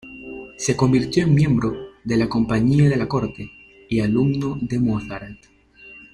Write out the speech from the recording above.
Se convirtió en miembro de la compañía de la corte y alumno de Mozart.